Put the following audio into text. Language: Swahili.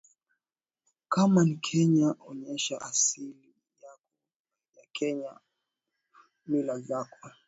kama ni kenya onyesha asili yako ya kenya mila zako